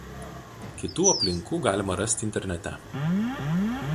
Kitų aplinkų galima rasti internete.